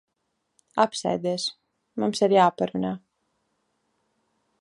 Apsēdies. Mums ir jāparunā.